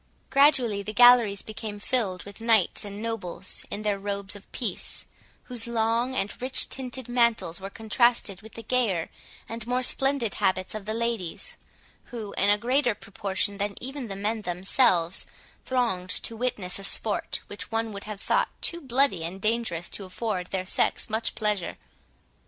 Gradually the galleries became filled with knights and nobles, in their robes of peace, whose long and rich tinted mantles were contrasted with the gayer and more splendid habits of the ladies, who, in a greater proportion than even the men themselves, thronged to witness a sport, which one would have thought too bloody and dangerous to afford their sex much pleasure.